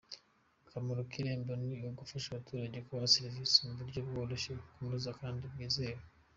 Akamaro k’Irembo ni ugufasha abaturage kubona serivisi mu buryo bworoshye, bunoze kandi bwizewe.